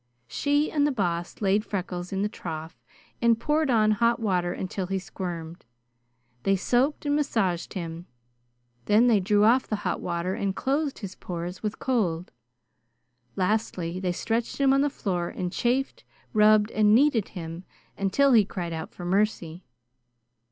She and the Boss laid Freckles in the trough and poured on hot water until he squirmed. They soaked and massaged him. Then they drew off the hot water and closed his pores with cold. Lastly they stretched him on the floor and chafed, rubbed, and kneaded him until he cried out for mercy.